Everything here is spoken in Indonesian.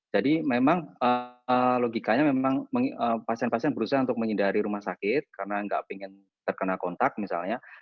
jadi memang logikanya memang pasien pasien berusaha untuk menghindari rumah sakit karena tidak ingin terkena kontak misalnya